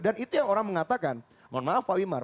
dan itu yang orang mengatakan mohon maaf pak wimar